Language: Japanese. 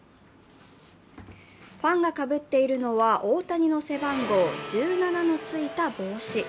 ファンがかぶっているのは、大谷の背番号１７のついた帽子。